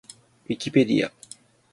ウィキペディア